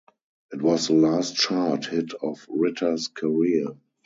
It was the last chart hit of Ritter's career.